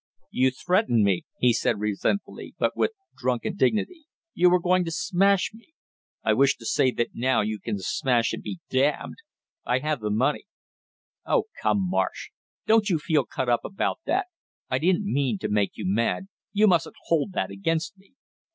"You threatened me," he said resentfully, but with drunken dignity. "You were going to smash me; I wish to say that now you can smash and be damned! I have the money " "Oh, come, Marsh! Don't you feel cut up about that; I didn't mean to make you mad; you mustn't hold that against me!"